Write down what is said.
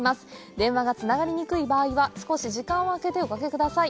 電話がつながりにくい場合は少し時間をあけておかけください。